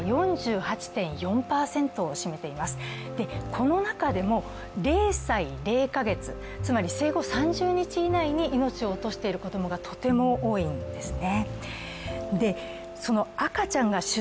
この中でも０歳０か月、つまり生後３０日以内に命を落としている子供がとても多いんですね。